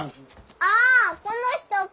ああこの人か。